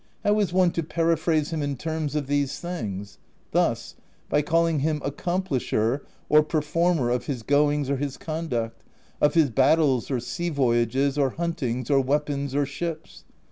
How is one to periphrase him in terms of these things ? Thus : by calling him accomplisher or performer of his goings or his con duct, of his battles or sea voyages or huntings or weapons or ships.